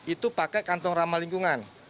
itu pakai kantong ramah lingkungan